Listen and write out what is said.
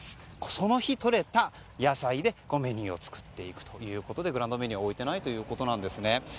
その日とれた野菜でメニューを作っていくということでグランドメニューを置いてないということなんですね。